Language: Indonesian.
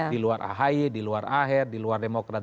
diluar ahe diluar aher diluar demokraat